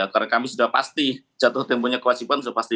karena kami sudah pasti jatuh tempohnya kewajiban sudah pasti